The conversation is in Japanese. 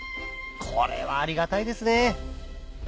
これはありがたいですね